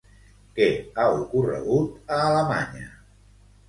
Què ha ocorregut a Alemanya?